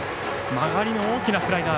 曲がりの大きなスライダー。